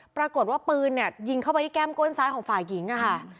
ปรากฏว่าปืนเนี่ยยิงเข้าไปที่แก้มก้นซ้ายของฝ่ายหญิงอะค่ะ